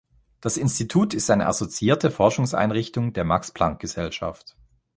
Das Institut ist eine assoziierte Forschungseinrichtung der Max-Planck-Gesellschaft.